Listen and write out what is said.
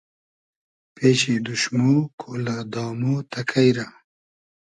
پېشی دوشمۉ کۉلۂ دامۉ تئکݷ رۂ